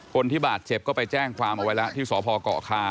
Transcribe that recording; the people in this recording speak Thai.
คนที่บาดเจ็บก็ไปแจ้งความเอาไว้แล้วที่สพเกาะคา